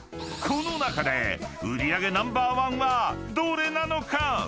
［この中で売り上げナンバーワンはどれなのか⁉］